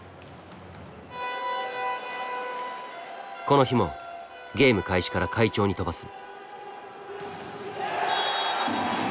この日もゲーム開始から快調に飛ばす。